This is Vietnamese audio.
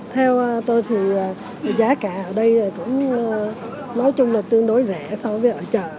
theo tôi thì giá cả ở đây cũng nói chung là tương đối rẻ so với ở chợ